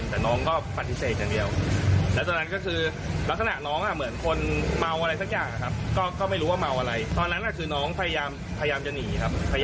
ฟังเสียงคุณวรวุฒินิดหนึ่งค่ะ